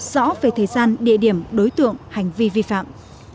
rõ về thời gian địa điểm đối tượng hành vi vi phạm